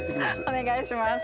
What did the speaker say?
お願いします